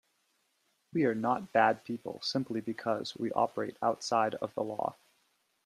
We are not bad people simply because we operate outside of the law.